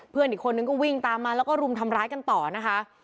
เพื่อนอีกคนนึงก็วิ่งตามมาแล้วก็รุมทำร้ายกันต่อนะคะ